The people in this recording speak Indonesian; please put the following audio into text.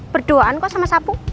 berduaan kok sama sapu